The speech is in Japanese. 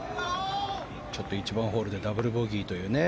１番ホールでダブルボギーというね。